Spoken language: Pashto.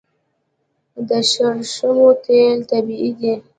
د شړشمو تیل طبیعي دي.